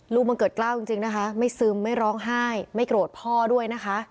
บังเกิดกล้าวจริงนะคะไม่ซึมไม่ร้องไห้ไม่โกรธพ่อด้วยนะคะ